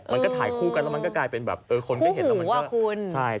มันก็ถ่ายคู่กันแล้วมันก็กลายเป็นแบบคนได้เห็นแล้วมันก็คู่หูว่าคุณ